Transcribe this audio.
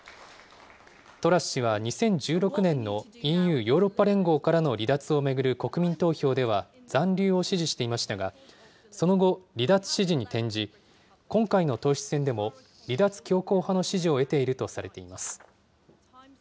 トラス氏は２０１６年のＥＵ・ヨーロッパ連合からの離脱を巡る国民投票では残留を支持していましたが、その後、離脱支持に転じ、今回の党首選でも離脱強硬派の支持を得ているとされています。